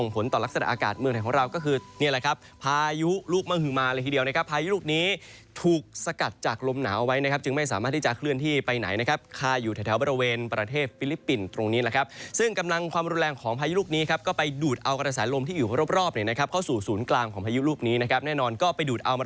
ภายุลูกมหึมาเลยทีเดียวนะครับภายุลูกนี้ถูกสกัดจากลมหนาวไว้นะครับจึงไม่สามารถที่จะเคลื่อนที่ไปไหนนะครับค่าอยู่แถวบริเวณประเทศฟิลิปปินส์ตรงนี้นะครับซึ่งกำลังความรุนแรงของภายุลูกนี้ครับก็ไปดูดเอากระสานลมที่อยู่รอบเนี่ยนะครับเข้าสู่ศูนย์กลางของภายุลูกนี้นะครับแน่นอนก็ไปดูดเอ